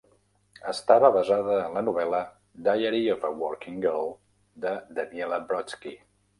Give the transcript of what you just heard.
Estava basada en la novel·la "Diary of a Working Girl" de Daniella Brodsky.